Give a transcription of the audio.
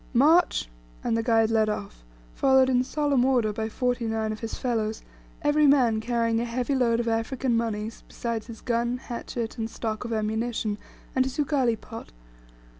"March!" and the guide led off, followed in solemn order by forty nine of his fellows, every man carrying a heavy load of African moneys, besides his gun, hatchet, and stock of ammunition, and his ugali pot.